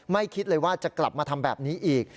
คิดเลยว่าจะกลับมาทำแบบนี้อีก